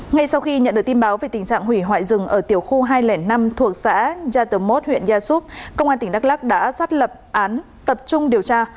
ngay sau khi nhận được tin báo về tình trạng hủy hoại rừng ở tiểu khu hai trăm linh năm thuộc xã gia tờ mốt huyện gia súc công an tỉnh đắk lắc đã xác lập án tập trung điều tra